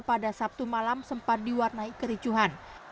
pada sabtu malam sempat diwarnai kericuhan